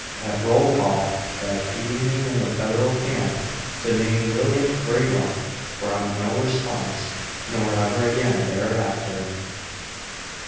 At roll call that evening in the Federal camp the name William Grayrock brought no response, nor ever again there after.